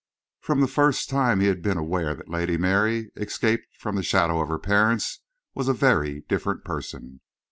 From the first he had been aware that Lady Mary, escaped from the shadow of her parents, was a very different person.